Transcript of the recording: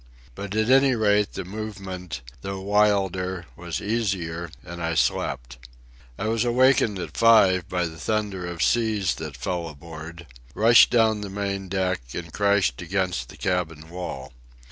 But at any rate the movement, though wilder, was easier, and I slept. I was awakened at five by the thunder of seas that fell aboard, rushed down the main deck, and crashed against the cabin wall.